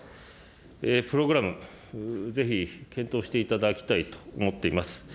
プログラム、ぜひ検討していただきたいと思っています。